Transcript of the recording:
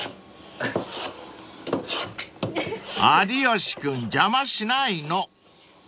［有吉君邪魔しないの］